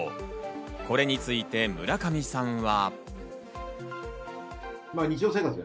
これについて村上さんは。